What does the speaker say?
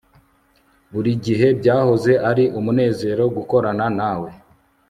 Buri gihe byahoze ari umunezero gukorana nawe